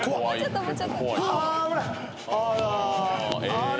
「あれ？